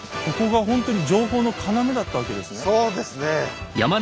そうですね。